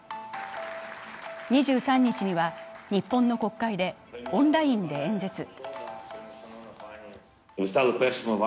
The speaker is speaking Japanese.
２３日には日本の国会でオンラインで演説。